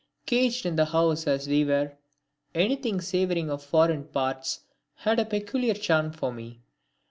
Caged in the house as we were, anything savouring of foreign parts had a peculiar charm for me.